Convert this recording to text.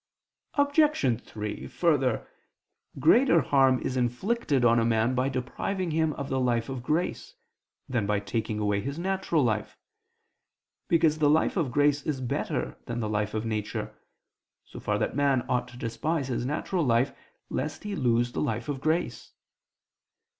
Obj. 3: Further, greater harm is inflicted on a man by depriving him of the life of grace, than by taking away his natural life; because the life of grace is better than the life of nature, so far that man ought to despise his natural life lest he lose the life of grace.